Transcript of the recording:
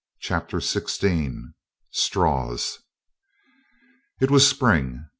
CHAPTER XVI STRAWS It was spring.